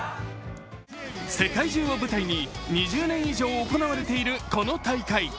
世界中を舞台に２０年以上行われているこの大会。